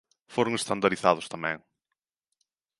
Foron estandarizados tamén.